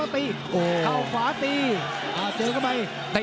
พี่บ่งโค่นจะเจอกลับมาตี